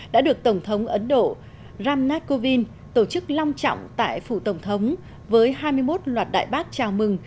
đã được tổng thống ấn độ ram nath kovind tổ chức long trọng tại phủ tổng thống với hai mươi một loạt đại bác chào mừng